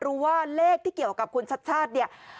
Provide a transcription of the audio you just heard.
รู้ว่าเลขที่เกี่ยวกับคุณชัดชาติ